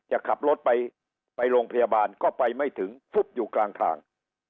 จะขับรถไปไปโรงพยาบาลก็ไปไม่ถึงฟุบอยู่กลางทาง